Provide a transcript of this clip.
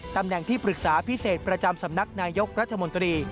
ตำแหน่งที่ปรึกษาพิเศษประจำสำนักนายกรัฐมนตรี